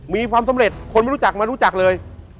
มีความสำเร็จคนไม่รู้จักไม่รู้จักเลย